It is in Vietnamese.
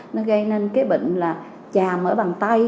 nó gây nên cái bệnh là chàm ở bàn tay